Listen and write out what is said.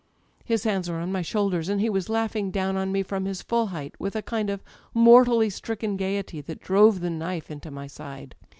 His hands were on my shoulders, and he was laughing down on me from his full height, with a kind of mortally stricken gaiety that drove the knife into my side.